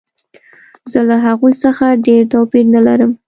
زه له هغوی څخه ډېر توپیر نه لرم